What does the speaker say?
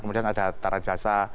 kemudian ada hatta rajasa